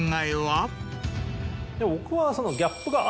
僕は。